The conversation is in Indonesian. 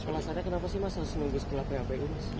kalau seandainya kenapa sih mas harus mengunggis ke phpu ini